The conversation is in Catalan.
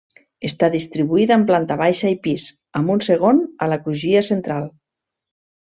Està distribuïda en planta baixa i pis, amb un segon a la crugia central.